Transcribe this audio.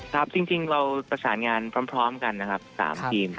ครับจริงเราประสานงานพร้อมกันนะครับ๓ทีม